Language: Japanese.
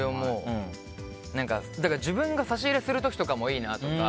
自分が差し入れする時もいいなとか。